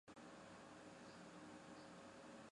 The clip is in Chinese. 大淡大道使用开放式收费系统。